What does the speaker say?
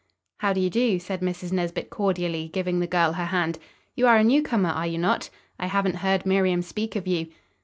"How do you do?" said Mrs. Nesbit cordially, giving the girl her hand. "You are a newcomer, are you not? I haven't heard Miriam speak of you."